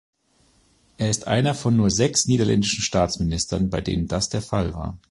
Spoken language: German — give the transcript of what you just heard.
Er ist einer von nur sechs niederländischen Staatsministern bei denen das der Fall war.